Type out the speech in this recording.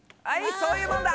そういうもんだ！